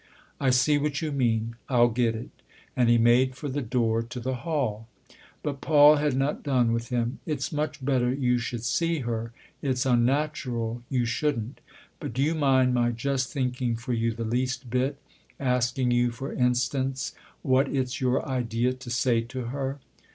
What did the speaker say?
" I see what you mean I'll get it." And he made for the door to the hall. But Paul had not done with him. "It's much better you should see her it's unnatural you shouldn't. But do you mind my just thinking for you the least bit asking you for instance what it's your idea to say to her